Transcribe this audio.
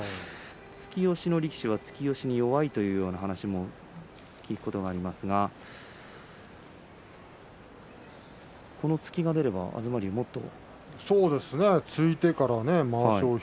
突き押しの力士は突き押しに弱いという話も聞くことがありますがこの突きが出れば東龍もっと。